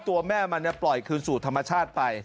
ตัวแม่มันปล่อยคืนสู่ธรรมชาติไป